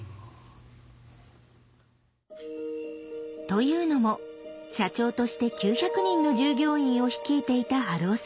というのも社長として９００人の従業員を率いていた春雄さん。